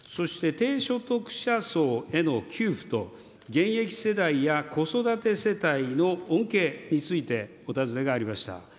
そして低所得者層への給付と現役世代や子育て世帯の恩恵についてお尋ねがありました。